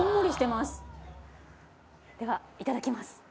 ではいただきます。